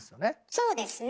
そうですね